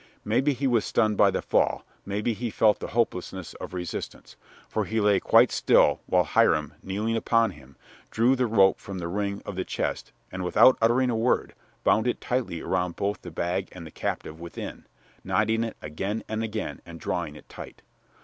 Maybe he was stunned by the fall; maybe he felt the hopelessness of resistance, for he lay quite still while Hiram, kneeling upon him, drew the rope from the ring of the chest and, without uttering a word, bound it tightly around both the bag and the captive within, knotting it again and again and drawing it tight.